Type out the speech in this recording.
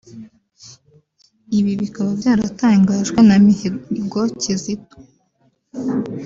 Ibi bikaba byaratangajwe na Mihigo Kizito